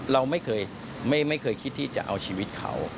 เราไม่เคยคิดที่จะเอาชีวิตเขา